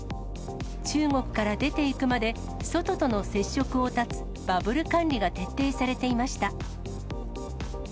中国から出ていくまで、外との接触を断つバブル管理が徹底されていました。